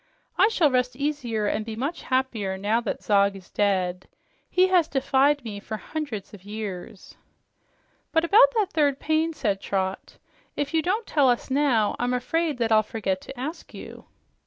I shall rest easier and be much happier now that Zog is dead. He has defied me for hundreds of years." "But about that third pain," said Trot. "If you don't tell us now, I'm afraid that I'll forget to ask you."